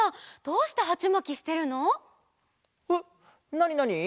なになに？